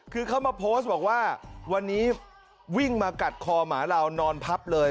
คือเขามาโพสต์บอกว่าวันนี้วิ่งมากัดคอหมาเรานอนพับเลย